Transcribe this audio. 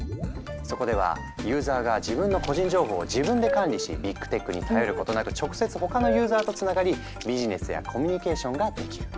そこではユーザーが自分の個人情報を自分で管理しビッグ・テックに頼ることなく直接他のユーザーとつながりビジネスやコミュニケーションができる。